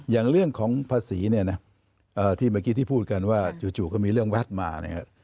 อย่างเรื่องของภาษีที่เมื่อกี้ที่พูดกันว่าจู่ก็มีเรื่องวัดมานะครับ